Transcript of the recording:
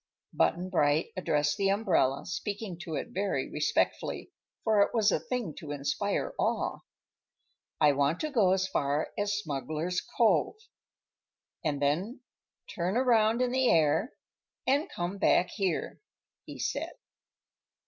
Button Bright addressed the umbrella, speaking to it very respectfully, for it was a thing to inspire awe. "I want to go as far as Smuggler's Cove, and then turn around in the air and come back here," he said.